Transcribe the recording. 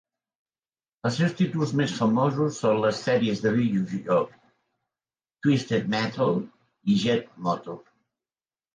Els seus títols més famosos són les sèries de videojocs "Twisted Metal" i "Jet Moto".